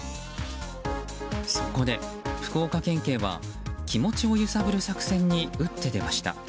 そこで福岡県警は気持ちを揺さぶる作戦に打って出ました。